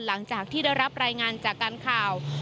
หลังจากที่ได้รับรายงานจากการข่าว